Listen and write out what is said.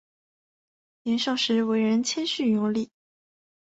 年少时为人谦逊有礼。